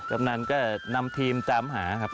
กำนันก็นำทีมตามหาครับ